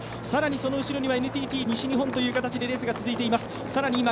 更にはＮＴＴ西日本という形で、レースが続いています。